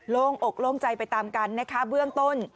โล่งอกโล่งใจไปตามกันนะคะเบื้องต้น